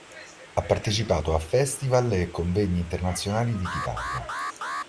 Ha partecipato a festival e convegni internazionali di chitarra.